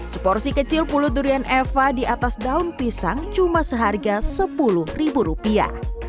seporsi kecil pulut durian eva di atas daun pisang cuma seharga sepuluh ribu rupiah